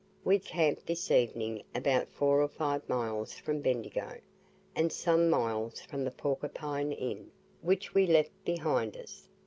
We camped this evening about four or five miles from Bendigo, and some miles from the "Porcupine Inn," which we left behind us.